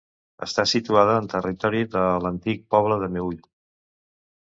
Està situada en territori de l'antic poble del Meüll.